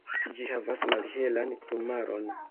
Ĝi havas malhelan plumaron.